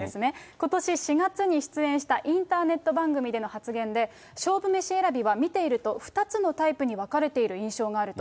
ことし４月に出演したインターネット番組での発言で、勝負メシ選びは見ていると、２つのタイプに分かれている印象があると。